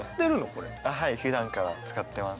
あはいふだんから使ってます。